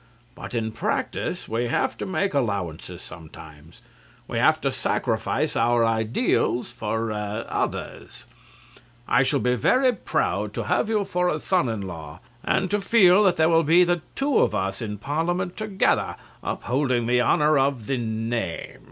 But in practice we have to make allowances sometimes. We have to sacrifice our ideals for ah others. I shall be very proud to have you for a son in law, and to feel that there will be the two of us in Parliament together upholding the honour of the ah name.